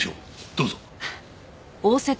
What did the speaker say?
どうぞ。